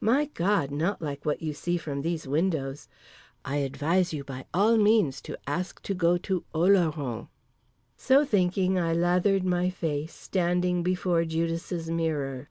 My God—not like what you see from these windows. I advise you by all means to ask to go to Oloron." So thinking I lathered my face, standing before Judas' mirror.